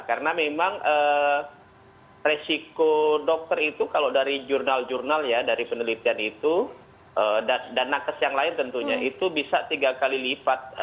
karena memang resiko dokter itu kalau dari jurnal jurnal ya dari penelitian itu dan nakas yang lain tentunya itu bisa tiga kali lipat